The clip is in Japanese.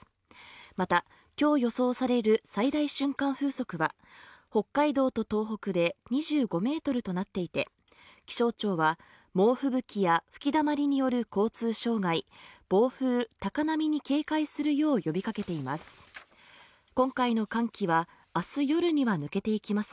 また今日予想される最大瞬間風速は北海道と東北で２５メートルとなっていて気象庁は、猛吹雪や吹きだまりによる交通障害暴風、高波に警戒するよう呼びかけています。